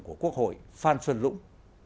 của quốc hội phan xuân lũng